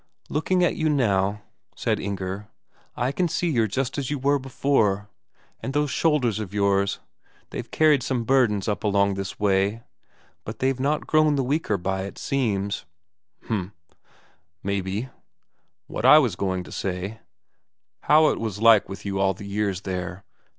"Looking at you now," said Inger, "I can see you're just as you were before. And those shoulders of yours, they've carried some burdens up along this way, but they've not grown the weaker by it, seems." "H'm. Maybe. What I was going to say: How it was like with you all the years there?